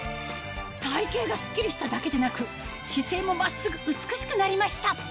体形がスッキリしただけでなく姿勢も真っすぐ美しくなりました